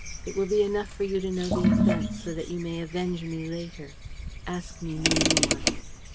It will be enough for you to know the offense, so that you may avenge me later. Ask me no more.